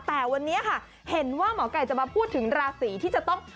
แต่วันนี้ค่ะเห็นว่าหมอไก่จะมาพูดถึงราศีที่จะต้อง